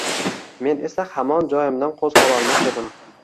Men esa hamon joyimdan qo‘zg‘alolmas edim.